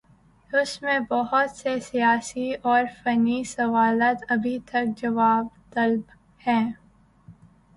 اس میں بہت سے سیاسی اور فنی سوالات ابھی تک جواب طلب ہیں۔